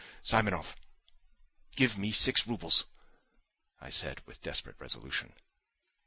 "Simonov! give me six roubles!" I said, with desperate resolution.